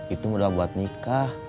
itu mudah buat nikah